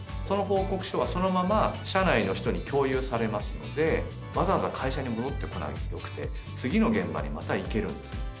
その報告書はそのまま社内の人に共有されますのでわざわざ会社に戻ってこなくてよくて次の現場にまた行けるんですね